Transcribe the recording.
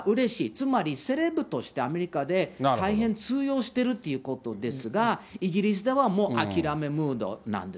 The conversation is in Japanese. つまりセレブとしてアメリカで大変通用してるっていうことですが、イギリスではもうあきらめムードなんです。